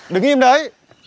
đứng im đấy